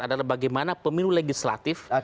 adalah bagaimana pemilu legislatif